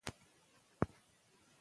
ډاډ ماشوم هڅوي.